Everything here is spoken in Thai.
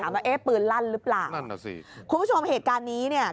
คุณผู้ชมเหตุการณ์นี้เนี่ย